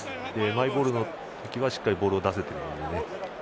マイボールの時はしっかりボールを出せているので。